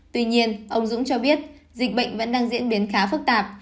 tuy nhiên ông dũng cho biết dịch bệnh vẫn đang diễn biến khá phức tạp